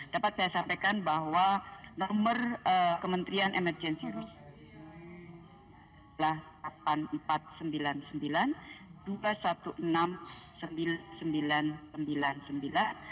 dapat saya sampaikan bahwa nomor kementerian emergensi rusia adalah delapan empat ratus sembilan puluh sembilan dua ratus enam belas sembilan ribu sembilan ratus sembilan puluh sembilan